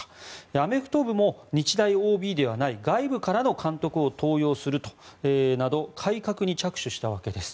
アメフト部も日大ＯＢではない外部からの監督を登用するなど改革に着手したわけです。